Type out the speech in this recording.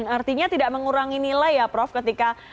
artinya tidak mengurangi nilai ya prof ketika